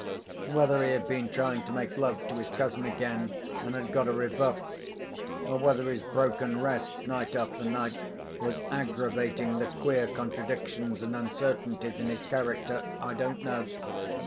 Whether he had been trying to make love to his cousin again, and had got a rebuff—or whether his broken rest, night after night, was aggravating the queer contradictions and uncertainties in his character—I don't know.